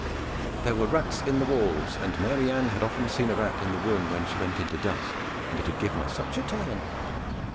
There were rats in the walls, and "Mary Ann" had often seen a rat in the room when she went in to dust, and it had given her "such a turn."